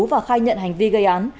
và khai nhận hành vi gây án